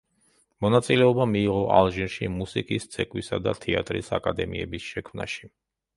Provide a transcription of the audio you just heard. მონაწილეობა მიიღო ალჟირში მუსიკის, ცეკვისა და თეატრის აკადემიების შექმნაში.